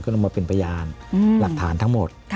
ก็ต้องมาเป็นประยานหลักฐานทั้งหมด